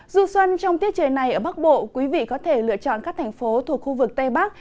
du xuân trong tiết trời này ở bắc bộ quý vị có thể lựa chọn các thành phố thuộc khu vực tây bắc